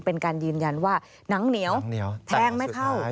เป็นการยืนยันว่าหนังเหนียวแทงไม่เข้า